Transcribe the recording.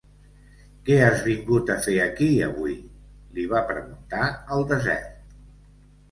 "Què has vingut a fer aquí avui?", li va preguntar el desert.